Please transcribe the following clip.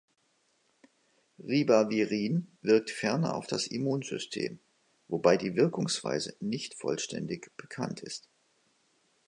Ribavirin wirkt ferner auf das Immunsystem, wobei die Wirkungsweise nicht vollständig bekannt ist.